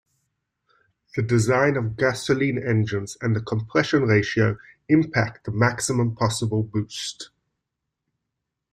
The design of gasoline engines and the compression ratio impact the maximum possible boost.